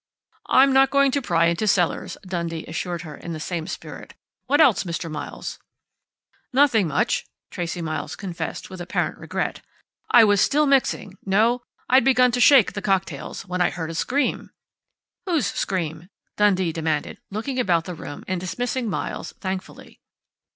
"I'm not going to pry into cellars," Dundee assured her in the same spirit. "What else, Mr. Miles?" "Nothing much," Tracey Miles confessed, with apparent regret. "I was still mixing no, I'd begun to shake the cocktails when I heard a scream " "Whose scream?" Dundee demanded, looking about the room, and dismissing Miles thankfully.